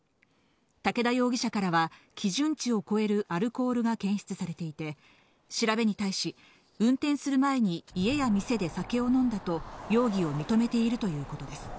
竹田容疑者からは、基準値を超えるアルコールが検出されていて、調べに対し、運転する前に家や店で酒を飲んだと、容疑を認めているということです。